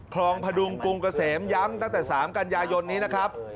คลองพระดุงกรุงเกาเสมย้ำตั้งแต่สามกันยายนี้นะครับ